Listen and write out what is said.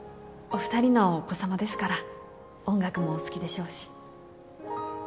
お２人のお子様ですから音楽もお好きでしょうし。